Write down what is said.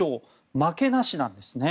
負けなしなんですね。